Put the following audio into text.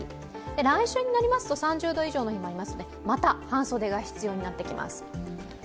来週になりますと３０度以上の日もありますのでまた半袖が必要になってきます。